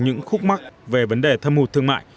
những khúc mắc về vấn đề thâm hụt thương mại